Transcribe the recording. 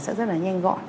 sẽ rất là nhanh gọn